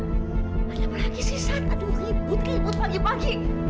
ada apa lagi sih sat aduh ribut ribut pagi pagi